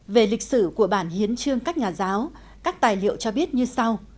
về lịch sử của bản hiến chương các nhà giáo các tài liệu cho biết như sau